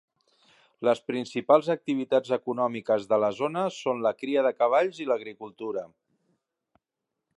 Les principals activitats econòmiques de la zona són la cria de cavalls i l'agricultura.